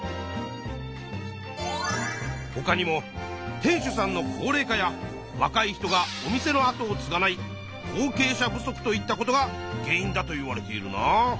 ほかにも店主さんの高齢化やわかい人がお店のあとをつがない後継者不足といったことが原因だといわれているな。